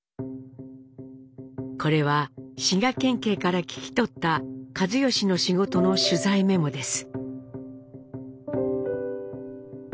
これは滋賀県警から聞き取った一嚴の仕事の取材メモです。